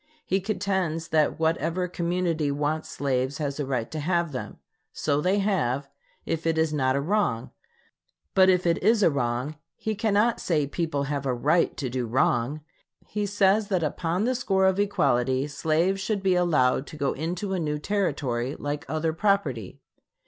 He contends that whatever community wants slaves has a right to have them. So they have, if it is not a wrong. But if it is a wrong, he cannot say people have a right to do wrong. He says that upon the score of equality slaves should be allowed to go into a new Territory, like other property.